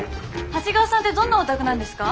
長谷川さんてどんなお宅なんですか？